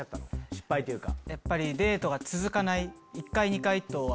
失敗というか。